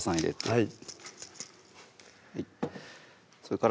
はい